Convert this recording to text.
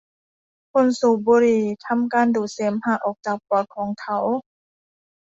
คนสูบบุหรี่ทำการดูดเสมหะออกจากปอดของเขา